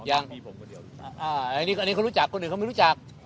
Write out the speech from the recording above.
อันนี้เขารู้จักคนอื่นเขาไม่รู้จัก